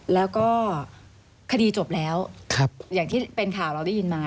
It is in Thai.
แล้วก็คดีจบแล้วอย่างที่เป็นข่าวเราได้ยินมา